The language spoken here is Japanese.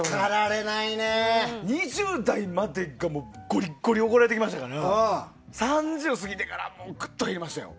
２０代までがゴリゴリに怒られてきましたから３０過ぎてからはぐっと減りましたよ。